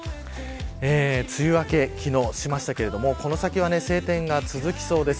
梅雨明け、昨日しましたけれどこの先は晴天が続きそうです。